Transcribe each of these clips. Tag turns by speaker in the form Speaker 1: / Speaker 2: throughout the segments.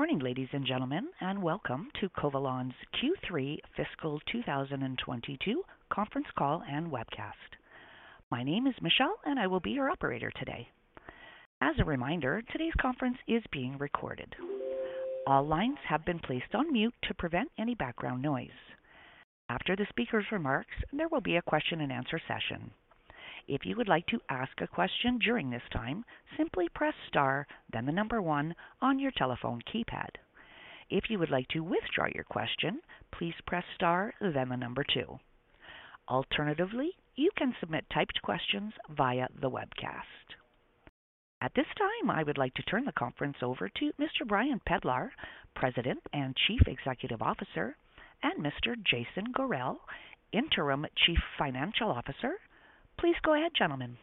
Speaker 1: Good morning, ladies and gentlemen, and welcome to Covalon's Q3 Fiscal 2022 conference call and webcast. My name is Michelle, and I will be your operator today. As a reminder, today's conference is being recorded. All lines have been placed on mute to prevent any background noise. After the speaker's remarks, there will be a question-and-answer session. If you would like to ask a question during this time, simply press Star, then the number one on your telephone keypad. If you would like to withdraw your question, please press Star, then the number two. Alternatively, you can submit typed questions via the webcast. At this time, I would like to turn the conference over to Mr. Brian Pedlar, President and Chief Executive Officer, and Mr. Jason Goren, Interim Chief Financial Officer. Please go ahead, gentlemen.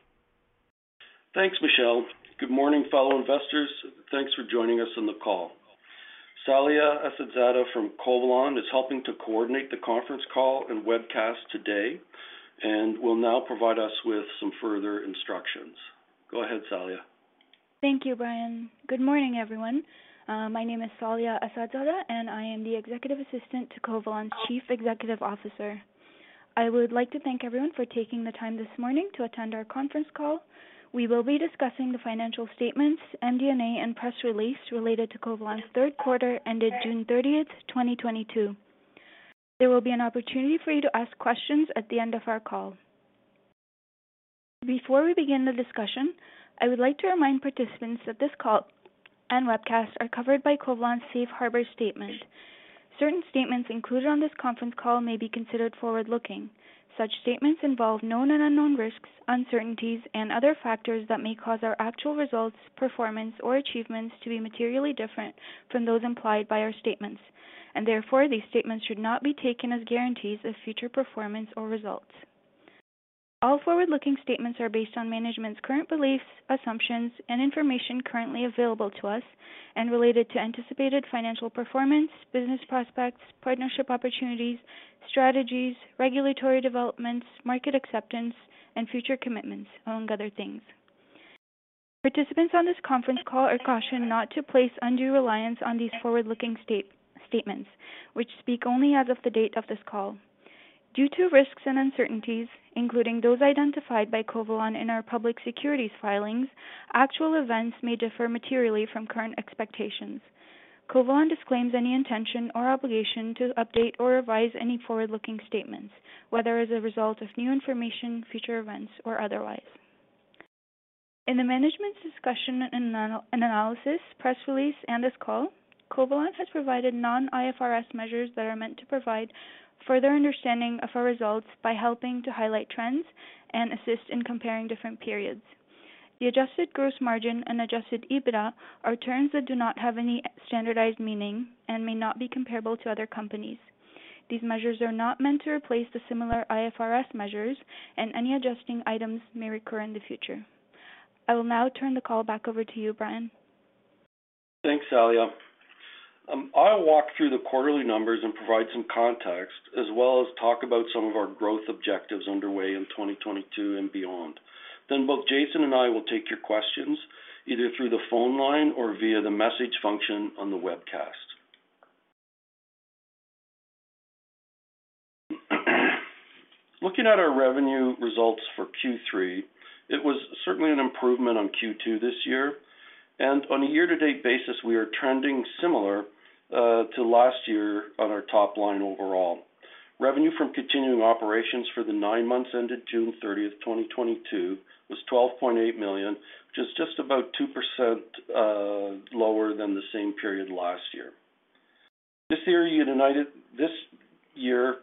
Speaker 2: Thanks, Michelle. Good morning, fellow investors. Thanks for joining us on the call. Saleha Assadzada from Covalon is helping to coordinate the conference call and webcast today and will now provide us with some further instructions. Go ahead, Saleha.
Speaker 3: Thank you, Brian. Good morning, everyone. My name is Saleha Assadzada, and I am the executive assistant to Covalon's Chief Executive Officer. I would like to thank everyone for taking the time this morning to attend our conference call. We will be discussing the financial statements, MD&A, and press release related to Covalon's third quarter ended June 30, 2022. There will be an opportunity for you to ask questions at the end of our call. Before we begin the discussion, I would like to remind participants that this call and webcast are covered by Covalon's Safe Harbor statement. Certain statements included on this conference call may be considered forward-looking. Such statements involve known and unknown risks, uncertainties, and other factors that may cause our actual results, performance, or achievements to be materially different from those implied by our statements, and therefore, these statements should not be taken as guarantees of future performance or results. All forward-looking statements are based on management's current beliefs, assumptions, and information currently available to us and related to anticipated financial performance, business prospects, partnership opportunities, strategies, regulatory developments, market acceptance, and future commitments, among other things. Participants on this conference call are cautioned not to place undue reliance on these forward-looking statements which speak only as of the date of this call. Due to risks and uncertainties, including those identified by Covalon in our public securities filings, actual events may differ materially from current expectations. Covalon disclaims any intention or obligation to update or revise any forward-looking statements, whether as a result of new information, future events, or otherwise. In the management's discussion and analysis, press release, and this call, Covalon has provided non-IFRS measures that are meant to provide further understanding of our results by helping to highlight trends and assist in comparing different periods. The adjusted gross margin and adjusted EBITDA are terms that do not have any standardized meaning and may not be comparable to other companies. These measures are not meant to replace the similar IFRS measures, and any adjusting items may recur in the future. I will now turn the call back over to you, Brian.
Speaker 2: Thanks, Saleha. I'll walk through the quarterly numbers and provide some context as well as talk about some of our growth objectives underway in 2022 and beyond. Then both Jason and I will take your questions either through the phone line or via the message function on the webcast. Looking at our revenue results for Q3, it was certainly an improvement on Q2 this year. On a year-to-date basis, we are trending similar to last year on our top line overall. Revenue from continuing operations for the nine months ended June 30, 2022 was 12.8 million, which is just about 2% lower than the same period last year. This year,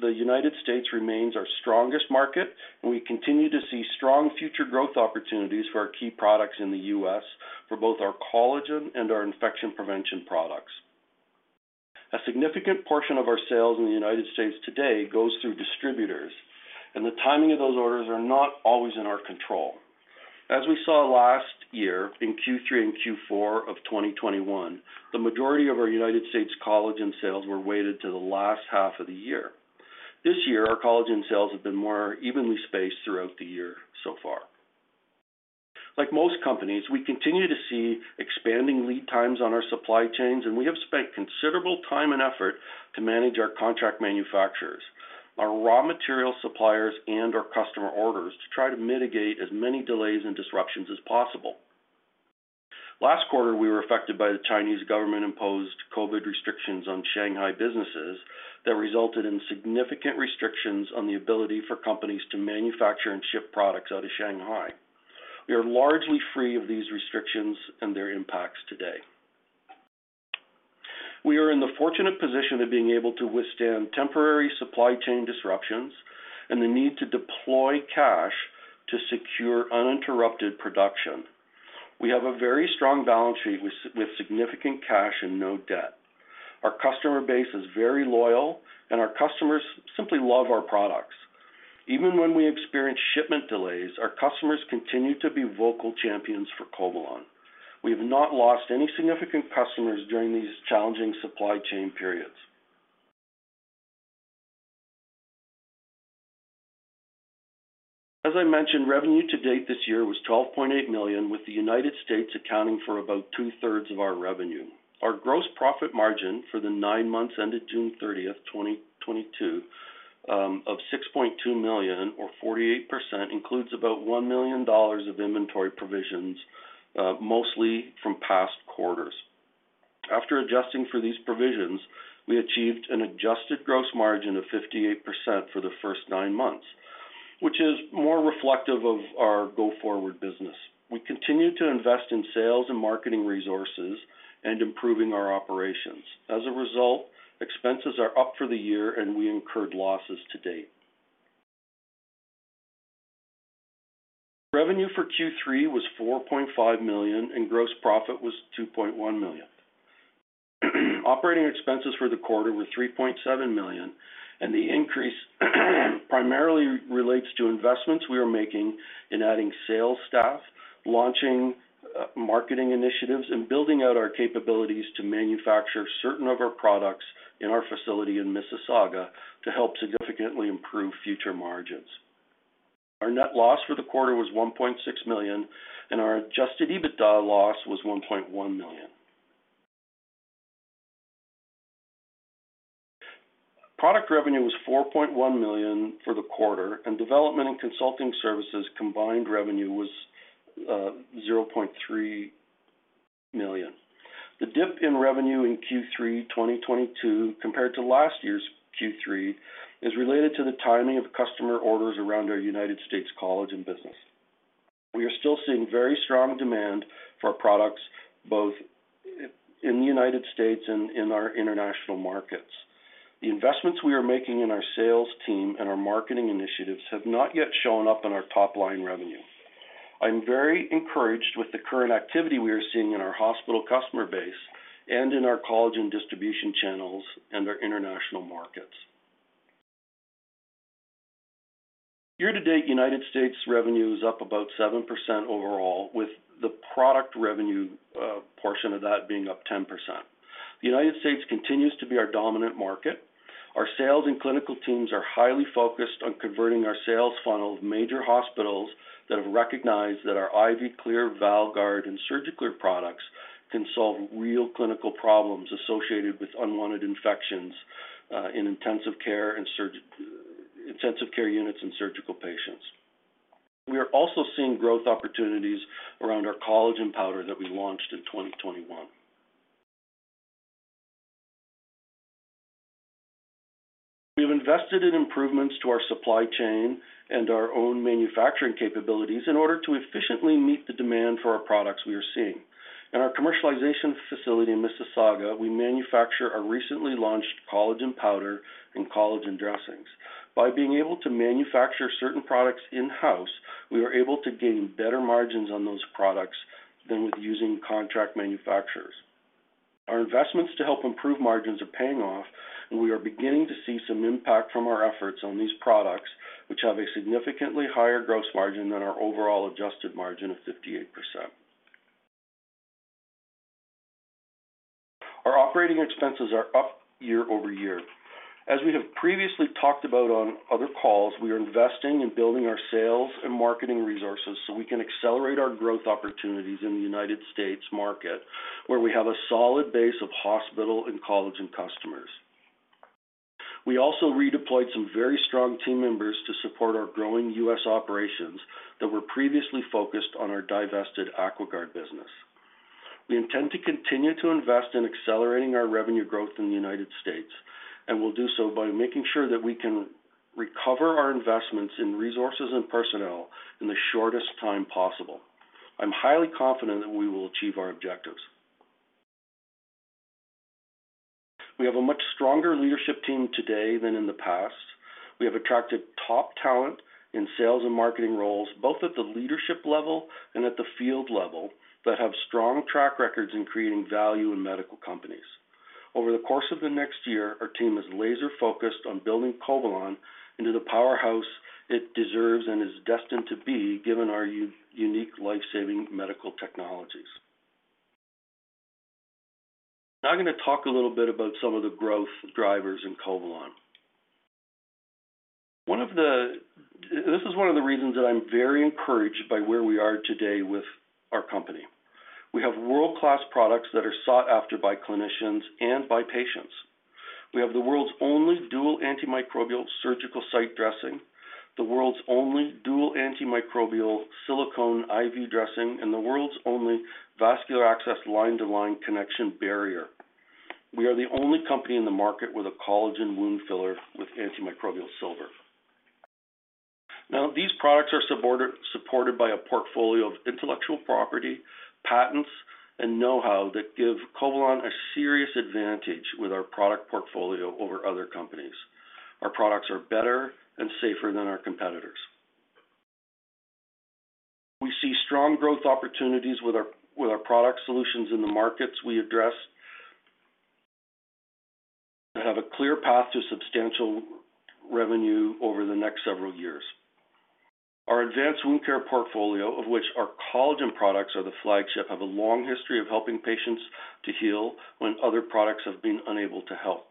Speaker 2: the United States remains our strongest market, and we continue to see strong future growth opportunities for our key products in the U.S. for both our collagen and our infection prevention products. A significant portion of our sales in the United States today goes through distributors, and the timing of those orders are not always in our control. As we saw last year in Q3 and Q4 of 2021, the majority of our United States collagen sales were weighted to the last half of the year. This year, our collagen sales have been more evenly spaced throughout the year so far. Like most companies, we continue to see expanding lead times on our supply chains, and we have spent considerable time and effort to manage our contract manufacturers, our raw material suppliers, and our customer orders to try to mitigate as many delays and disruptions as possible. Last quarter, we were affected by the Chinese government-imposed COVID restrictions on Shanghai businesses that resulted in significant restrictions on the ability for companies to manufacture and ship products out of Shanghai. We are largely free of these restrictions and their impacts today. We are in the fortunate position of being able to withstand temporary supply chain disruptions and the need to deploy cash to secure uninterrupted production. We have a very strong balance sheet with significant cash and no debt. Our customer base is very loyal, and our customers simply love our products. Even when we experience shipment delays, our customers continue to be vocal champions for Covalon. We have not lost any significant customers during these challenging supply chain periods. As I mentioned, revenue to date this year was 12.8 million, with the United States accounting for about two-thirds of our revenue. Our gross profit margin for the nine months ended June 30, 2022, of 6.2 million or 48% includes about $1 million of inventory provisions, mostly from past quarters. After adjusting for these provisions, we achieved an adjusted gross margin of 58% for the first nine months, which is more reflective of our go-forward business. We continue to invest in sales and marketing resources and improving our operations. As a result, expenses are up for the year, and we incurred losses to date. Revenue for Q3 was 4.5 million, and gross profit was 2.1 million. Operating expenses for the quarter were 3.7 million, and the increase primarily relates to investments we are making in adding sales staff, launching marketing initiatives, and building out our capabilities to manufacture certain of our products in our facility in Mississauga to help significantly improve future margins. Our net loss for the quarter was 1.6 million, and our adjusted EBITDA loss was 1.1 million. Product revenue was 4.1 million for the quarter, and development and consulting services combined revenue was 0.3 million. The dip in revenue in Q3 2022 compared to last year's Q3 is related to the timing of customer orders around our U.S. collagen business. We are still seeing very strong demand for our products, both in the United States and in our international markets. The investments we are making in our sales team and our marketing initiatives have not yet shown up in our top-line revenue. I'm very encouraged with the current activity we are seeing in our hospital customer base and in our collagen distribution channels and our international markets. Year-to-date, United States revenue is up about 7% overall, with the product revenue portion of that being up 10%. The United States continues to be our dominant market. Our sales and clinical teams are highly focused on converting our sales funnel of major hospitals that have recognized that our IV Clear, VALGuard, and SurgiClear products can solve real clinical problems associated with unwanted infections in intensive care units and surgical patients. We are also seeing growth opportunities around our collagen powder that we launched in 2021. We have invested in improvements to our supply chain and our own manufacturing capabilities in order to efficiently meet the demand for our products we are seeing. In our commercialization facility in Mississauga, we manufacture our recently launched collagen powder and collagen dressings. By being able to manufacture certain products in-house, we are able to gain better margins on those products than with using contract manufacturers. Our investments to help improve margins are paying off, and we are beginning to see some impact from our efforts on these products, which have a significantly higher gross margin than our overall adjusted margin of 58%. Our operating expenses are up year-over-year. As we have previously talked about on other calls, we are investing in building our sales and marketing resources so we can accelerate our growth opportunities in the United States market, where we have a solid base of hospital and collagen customers. We also redeployed some very strong team members to support our growing U.S. operations that were previously focused on our divested AquaGuard business. We intend to continue to invest in accelerating our revenue growth in the United States, and we'll do so by making sure that we can recover our investments in resources and personnel in the shortest time possible. I'm highly confident that we will achieve our objectives. We have a much stronger leadership team today than in the past. We have attracted top talent in sales and marketing roles, both at the leadership level and at the field level, that have strong track records in creating value in medical companies. Over the course of the next year, our team is laser-focused on building Covalon into the powerhouse it deserves and is destined to be, given our unique life-saving medical technologies. Now I'm going to talk a little bit about some of the growth drivers in Covalon. This is one of the reasons that I'm very encouraged by where we are today with our company. We have world-class products that are sought after by clinicians and by patients. We have the world's only dual antimicrobial surgical site dressing, the world's only dual antimicrobial silicone IV dressing, and the world's only vascular access line-to-line connection barrier. We are the only company in the market with a collagen wound filler with antimicrobial silver. Now, these products are supported by a portfolio of intellectual property, patents, and know-how that give Covalon a serious advantage with our product portfolio over other companies. Our products are better and safer than our competitors. We see strong growth opportunities with our product solutions in the markets we address and have a clear path to substantial revenue over the next several years. Our advanced wound care portfolio, of which our collagen products are the flagship, have a long history of helping patients to heal when other products have been unable to help.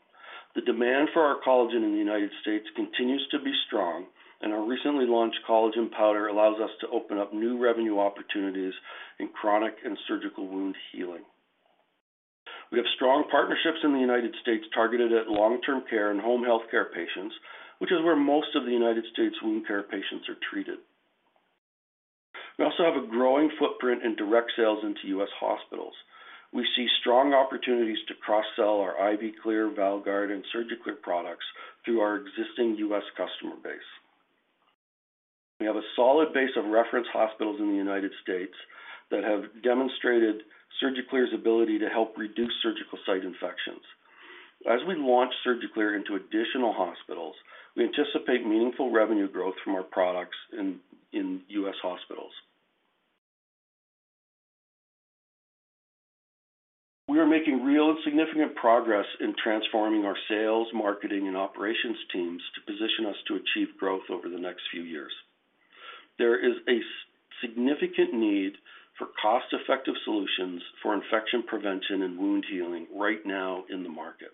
Speaker 2: The demand for our collagen in the United States continues to be strong, and our recently launched collagen powder allows us to open up new revenue opportunities in chronic and surgical wound healing. We have strong partnerships in the United States targeted at long-term care and home health care patients, which is where most of the United States wound care patients are treated. We also have a growing footprint in direct sales into U.S. hospitals. We see strong opportunities to cross-sell our IV Clear, VALGuard, and SurgiClear products through our existing U.S. customer base. We have a solid base of reference hospitals in the United States that have demonstrated SurgiClear's ability to help reduce surgical site infections. As we launch SurgiClear into additional hospitals, we anticipate meaningful revenue growth from our products in U.S. hospitals. We are making real and significant progress in transforming our sales, marketing, and operations teams to position us to achieve growth over the next few years. There is a significant need for cost-effective solutions for infection prevention and wound healing right now in the market.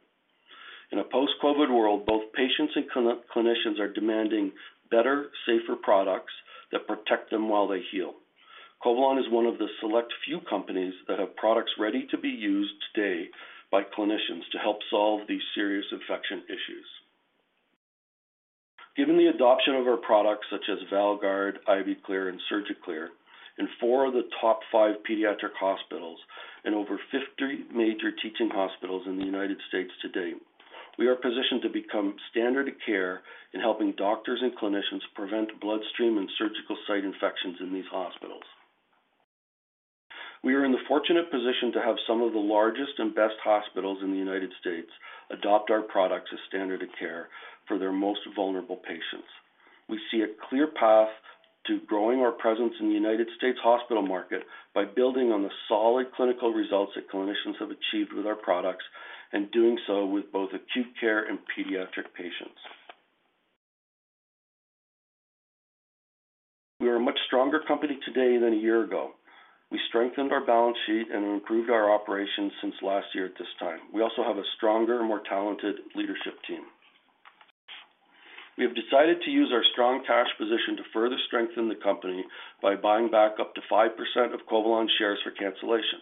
Speaker 2: In a post-COVID world, both patients and clinicians are demanding better, safer products that protect them while they heal. Covalon is one of the select few companies that have products ready to be used today by clinicians to help solve these serious infection issues. Given the adoption of our products such as VALGuard, IV Clear, and SurgiClear in four of the top five pediatric hospitals and over 50 major teaching hospitals in the United States to date, we are positioned to become standard of care in helping doctors and clinicians prevent bloodstream and surgical site infections in these hospitals. We are in the fortunate position to have some of the largest and best hospitals in the United States adopt our products as standard of care for their most vulnerable patients. We see a clear path to growing our presence in the United States hospital market by building on the solid clinical results that clinicians have achieved with our products and doing so with both acute care and pediatric patients. We are a much stronger company today than a year ago. We strengthened our balance sheet and improved our operations since last year at this time. We also have a stronger, more talented leadership team. We have decided to use our strong cash position to further strengthen the company by buying back up to 5% of Covalon shares for cancellation.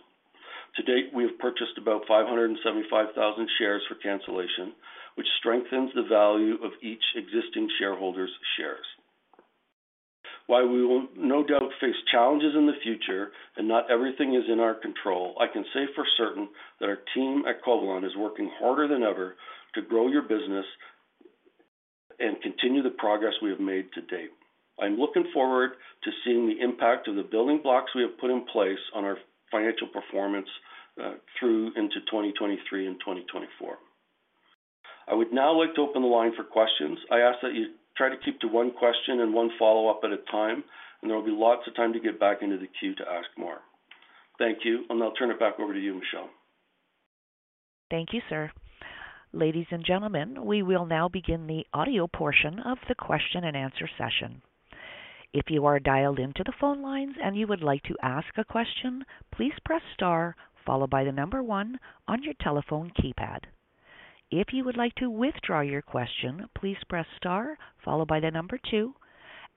Speaker 2: To date, we have purchased about 575,000 shares for cancellation, which strengthens the value of each existing shareholder's shares. While we will no doubt face challenges in the future and not everything is in our control, I can say for certain that our team at Covalon is working harder than ever to grow your business and continue the progress we have made to date. I'm looking forward to seeing the impact of the building blocks we have put in place on our financial performance through into 2023 and 2024. I would now like to open the line for questions. I ask that you try to keep to one question and one follow-up at a time, and there will be lots of time to get back into the queue to ask more. Thank you. I'll turn it back over to you, Michelle.
Speaker 1: Thank you, sir. Ladies and gentlemen, we will now begin the audio portion of the question-and-answer session. If you are dialed into the phone lines and you would like to ask a question, please press star followed by one on your telephone keypad. If you would like to withdraw your question, please press star followed by two,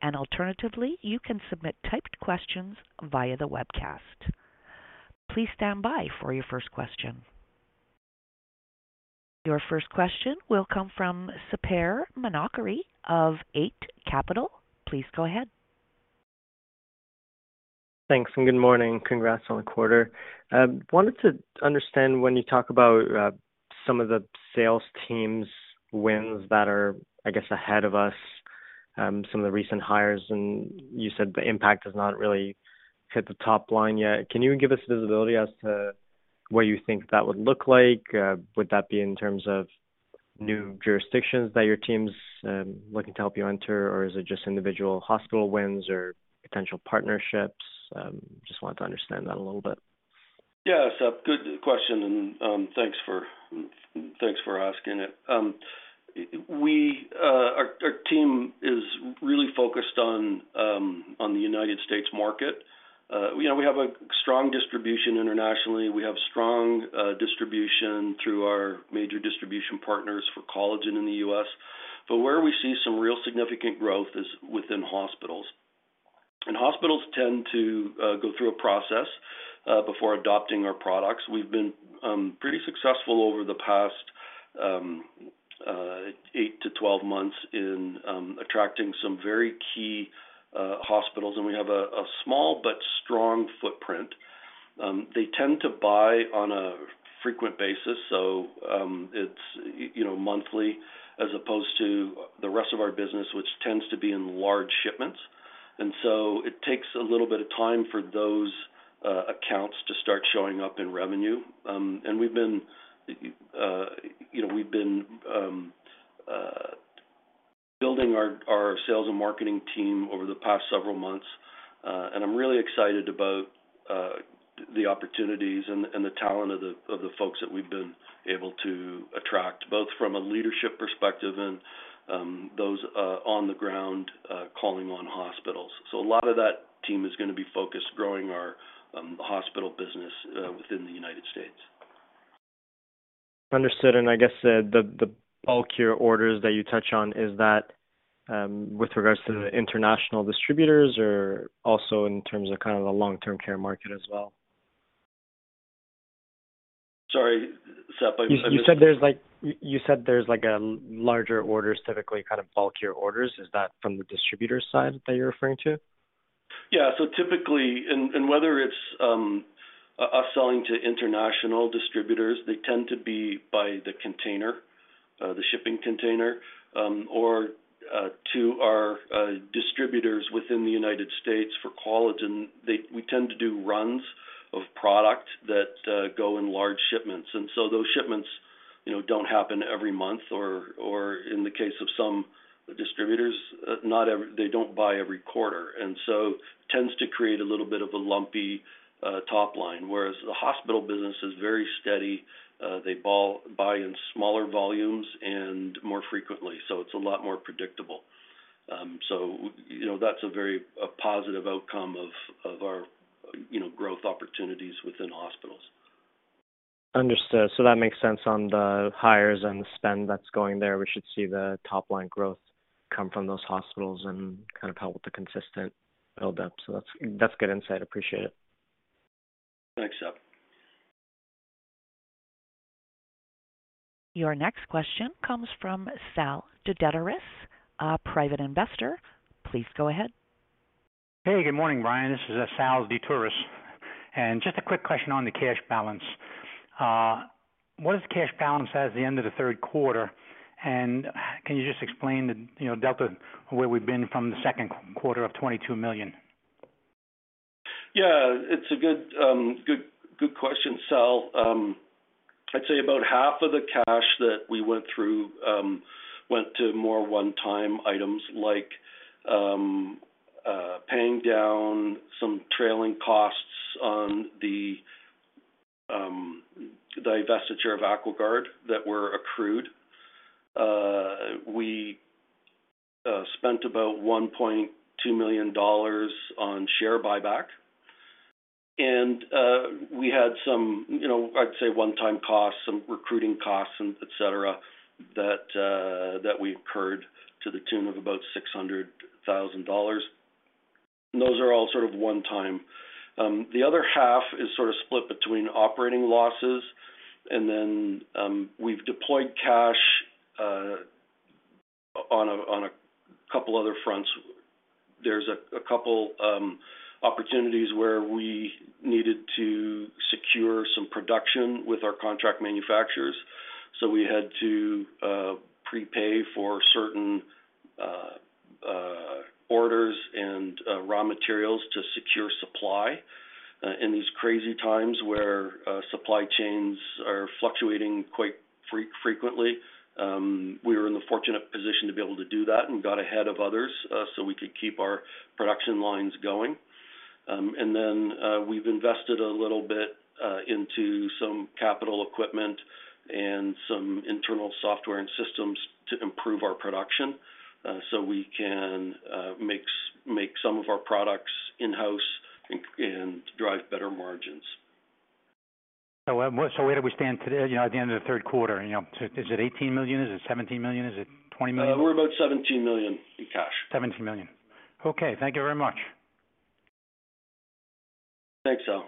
Speaker 1: and alternatively, you can submit typed questions via the webcast. Please stand by for your first question. Your first question will come from Saphir Manjiyani of Eight Capital. Please go ahead.
Speaker 4: Thanks, and good morning. Congrats on the quarter. Wanted to understand when you talk about, some of the sales team's wins that are, I guess, ahead of us, some of the recent hires, and you said the impact has not really hit the top line yet. Can you give us visibility as to what you think that would look like? Would that be in terms of new jurisdictions that your team's looking to help you enter? Or is it just individual hospital wins or potential partnerships? Just wanted to understand that a little bit.
Speaker 2: Yeah. Sap, good question, and thanks for asking it. Our team is really focused on the United States market. You know, we have a strong distribution internationally. We have strong distribution through our major distribution partners for collagen in the U.S. But where we see some real significant growth is within hospitals. Hospitals tend to go through a process before adopting our products. We've been pretty successful over the past eight-12 months in attracting some very key hospitals, and we have a small but strong footprint. They tend to buy on a frequent basis, so it's, you know, monthly, as opposed to the rest of our business, which tends to be in large shipments. It takes a little bit of time for those accounts to start showing up in revenue. We've been, you know, building our sales and marketing team over the past several months, and I'm really excited about the opportunities and the talent of the folks that we've been able to attract, both from a leadership perspective and those on the ground calling on hospitals. A lot of that team is going to be focused growing our hospital business within the United States.
Speaker 4: Understood. I guess the bulkier orders that you touch on, is that with regards to the international distributors or also in terms of kind of the long-term care market as well?
Speaker 2: Sorry, Sap, I-
Speaker 4: You said there's like larger orders, typically kind of bulkier orders. Is that from the distributor side that you're referring to?
Speaker 2: Yeah. Typically, whether it's us selling to international distributors, they tend to be by the container, the shipping container, or to our distributors within the United States for collagen. We tend to do runs of product that go in large shipments. Those shipments, you know, don't happen every month or, in the case of some distributors, not every quarter. They don't buy every quarter. Tends to create a little bit of a lumpy top line, whereas the hospital business is very steady. They buy in smaller volumes and more frequently, so it's a lot more predictable. You know, that's a very positive outcome of our growth opportunities within hospitals.
Speaker 4: Understood. That makes sense on the hires and the spend that's going there. We should see the top line growth come from those hospitals and kind of help with the consistent build up. That's good insight. Appreciate it.
Speaker 2: Thanks, Sap.
Speaker 1: Your next question comes from Sal DeTouris, a private investor. Please go ahead.
Speaker 5: Hey, good morning, Brian. This is Sal DeTouris. Just a quick question on the cash balance. What is the cash balance at the end of the third quarter? Can you just explain the, you know, delta where we've been from the second quarter of 22 million?
Speaker 2: Yeah. It's a good question, Sal. I'd say about half of the cash that we went through went to more one-time items like paying down some trailing costs on the divestiture of AquaGuard that were accrued. We spent about 1.2 million on share buyback. We had some, you know, I'd say one-time costs, some recruiting costs and et cetera, that we incurred to the tune of about 600 thousand. Those are all sort of one-time. The other half is sort of split between operating losses, and then we've deployed cash on a couple other fronts. There's a couple opportunities where we needed to secure some production with our contract manufacturers, so we had to prepay for certain orders and raw materials to secure supply in these crazy times where supply chains are fluctuating quite frequently. We were in the fortunate position to be able to do that and got ahead of others so we could keep our production lines going. We've invested a little bit into some capital equipment and some internal software and systems to improve our production so we can make some of our products in-house and drive better margins.
Speaker 5: Where do we stand today, you know, at the end of the third quarter? You know, is it 18 million? Is it 17 million? Is it 20 million?
Speaker 2: We're about 17 million in cash. 17 million. Okay. Thank you very much. Thanks, Sal.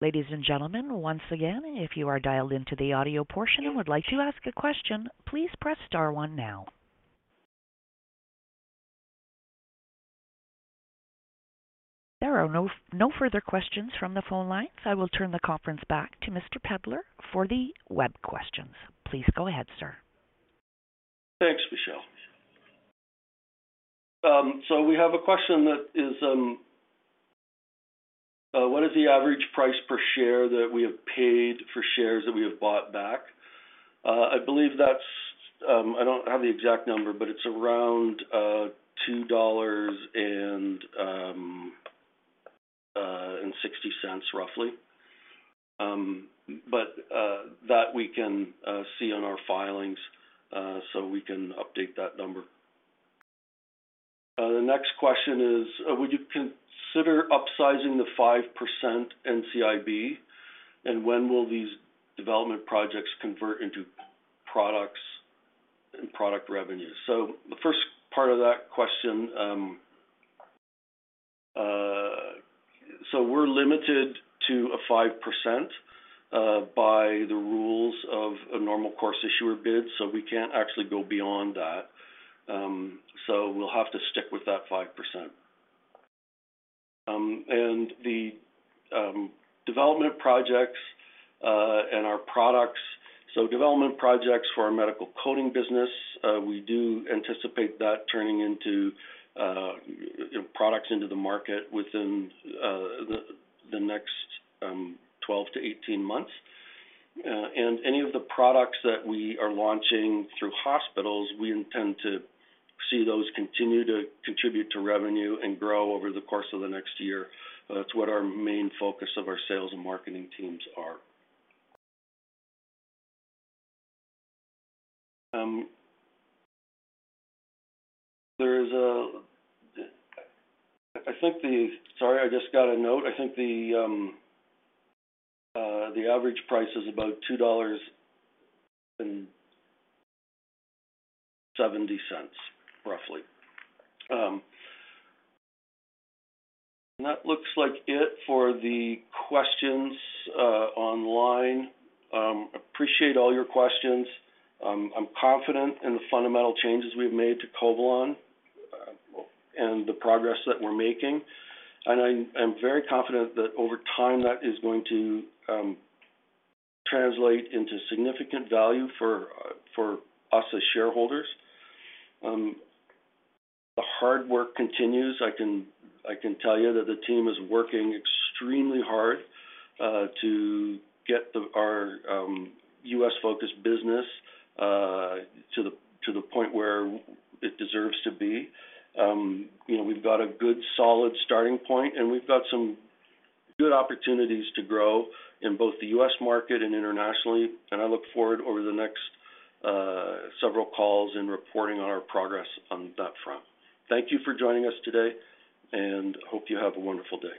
Speaker 1: Ladies and gentlemen, once again, if you are dialed into the audio portion and would like to ask a question, please press star one now. There are no further questions from the phone lines. I will turn the conference back to Mr. Pedlar for the web questions. Please go ahead, sir.
Speaker 2: Thanks, Michelle. We have a question that is, what is the average price per share that we have paid for shares that we have bought back? I believe that's. I don't have the exact number, but it's around 2.60 roughly. But that we can see on our filings, so we can update that number. The next question is, would you consider upsizing the 5% NCIB? And when will these development projects convert into products and product revenues? The first part of that question, we're limited to a 5%, by the rules of a normal course issuer bid, so we can't actually go beyond that. We'll have to stick with that 5%. The development projects and our products. Development projects for our medical coating business, we do anticipate that turning into products into the market within the next 12-18 months. Any of the products that we are launching through hospitals, we intend to see those continue to contribute to revenue and grow over the course of the next year. That's what our main focus of our sales and marketing teams are. Sorry, I just got a note. I think the average price is about 2.70 roughly. That looks like it for the questions online. Appreciate all your questions. I'm confident in the fundamental changes we've made to Covalon, and the progress that we're making. I'm very confident that over time, that is going to translate into significant value for us as shareholders. The hard work continues. I can tell you that the team is working extremely hard to get our U.S.-focused business to the point where it deserves to be. You know, we've got a good, solid starting point, and we've got some good opportunities to grow in both the U.S. market and internationally. I look forward over the next several calls and reporting on our progress on that front. Thank you for joining us today, and hope you have a wonderful day.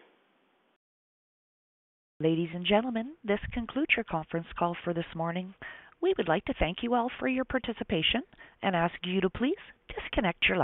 Speaker 1: Ladies and gentlemen, this concludes your conference call for this morning. We would like to thank you all for your participation and ask you to please disconnect your lines.